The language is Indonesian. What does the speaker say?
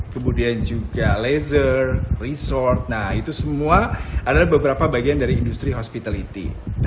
kemudian juga laser resort nah itu semua adalah beberapa bagian dari industri hospitality